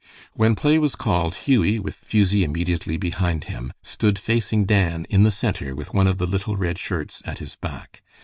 When play was called, Hughie, with Fusie immediately behind him, stood facing Dan in the center with one of the little Red Shirts at his back.